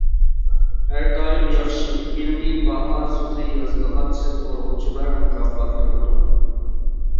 ھەر دائىم ياخشى، ئىلمىي باھا سۆزى يازىدىغان سېتىۋالغۇچىلار مۇكاپاتلىنىدۇ.